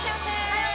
はい！